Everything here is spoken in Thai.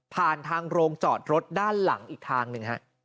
ผ่านทางโรงจอดรถด้านหลังอีกทางหนึ่งฮะ